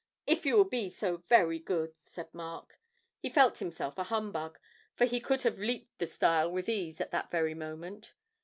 'If you will be so very good,' said Mark. He felt himself a humbug, for he could have leaped the stile with ease at that very moment.